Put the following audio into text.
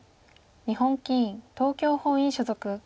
日本棋院東京本院所属。